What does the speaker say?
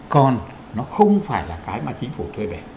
còn nó không phải là cái mà chính phủ thuê về